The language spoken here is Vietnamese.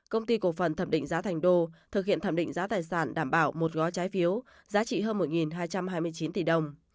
công ty cổ phần thẩm định giá thành đô thực hiện thẩm định giá tài sản đảm bảo một gói trái phiếu giá trị hơn một hai trăm hai mươi chín tỷ đồng